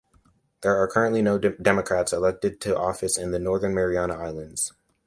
There are currently no Democrats elected to office in the Northern Mariana Islands.